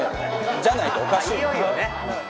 じゃないとおかしいもんね。